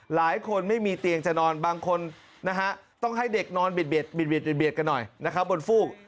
หลายคนไม่มีเตียงจะนอนบางคนต้องให้เด็กนอนเบียดกันหน่อยบนฟูก